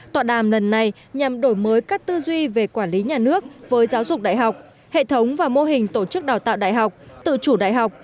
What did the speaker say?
tọa đàm lần này nhằm đổi mới các tư duy về quản lý nhà nước với giáo dục đại học hệ thống và mô hình tổ chức đào tạo đại học tự chủ đại học